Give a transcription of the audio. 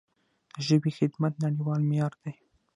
د ژبې خدمت نړیوال معیار دی.